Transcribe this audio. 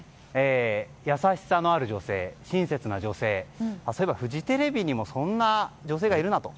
優しさのある女性、親切な女性そういえばフジテレビにもそんな女性がいるなと。